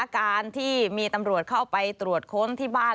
การที่มีตำรวจเข้าไปตรวจค้นที่บ้าน